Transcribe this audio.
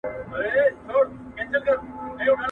په هغه ورځ به يو لاس ورنه پرې كېږي.